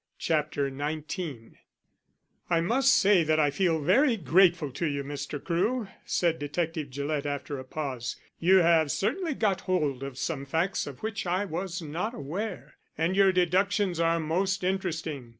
CHAPTER XIX "I MUST say that I feel very grateful to you, Mr. Crewe," said Detective Gillett after a pause. "You have certainly got hold of some facts of which I was not aware. And your deductions are most interesting.